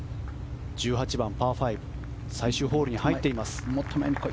１８番、パー５最終ホールに入っています。